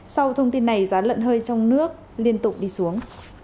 sau thông tin này giá lợn hơi trong nước liên tục đi xuống